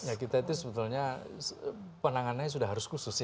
ya kita itu sebetulnya penanganannya sudah harus khusus ya